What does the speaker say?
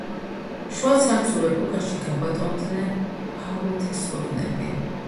შუა ცარცულ ეპოქაში გაბატონდნენ ფარულთესლოვნები.